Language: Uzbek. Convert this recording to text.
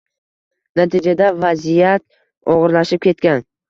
Natijada vaziyat og‘irlashib ketgan.